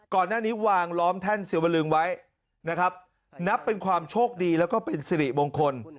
ก่อนหน้านี้วางล้อมแท่นเสียวลึงไว้นะครับนับเป็นความโชคดีแล้วก็เป็นสิริมงคล